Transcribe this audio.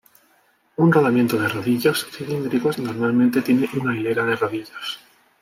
Un rodamiento de rodillos cilíndricos normalmente tiene una hilera de rodillos.